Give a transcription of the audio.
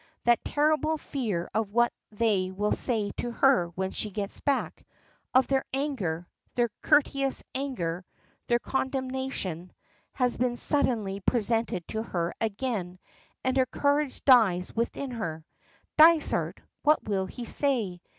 That terrible fear of what they will say to her when she gets back of their anger their courteous anger their condemnation has been suddenly presented to her again and her courage dies within her. Dysart, what will he say?